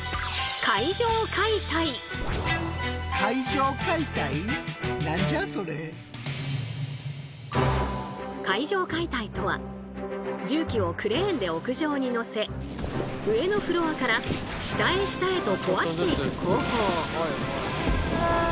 そこで考案され階上解体とは重機をクレーンで屋上にのせ上のフロアから下へ下へと壊していく工法。